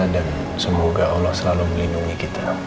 dan semoga allah selalu melindungi kita